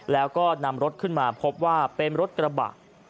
แล้วก็นำรถขึ้นมาพบว่าเป็นรถกระบะ